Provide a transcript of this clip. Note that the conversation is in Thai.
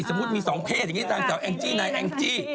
สมมุติมีสองเพศอย่างนี้นางสาวแองจี้นายแองจี้